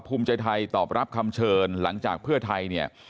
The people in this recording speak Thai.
ภูมิใจไทยตอบรับคำเชิญหลังจากเพื่อไทยเนี่ย